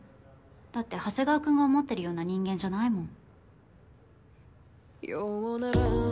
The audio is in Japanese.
だって長谷川君が思ってるような人間じゃないもん。